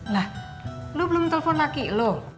lah lu belum telepon lagi lu